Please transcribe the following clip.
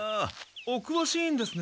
おくわしいんですね。